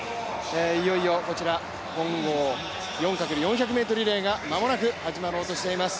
いよいよこちら、混合４×４００ｍリレーが間もなく始まろうとしています。